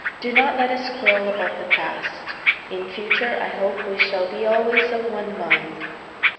Do not let us quarrel about the past. In future, I hope we shall be always of one mind."